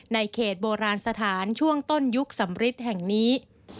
ในเขตโบราณสถานช่วงต้นยุคสำริทแห่งนี้